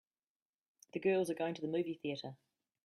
The girls are going to the movie theater.